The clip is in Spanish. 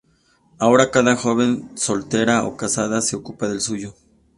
Ahora cada joven, soltera o casada, se ocupa del suyo.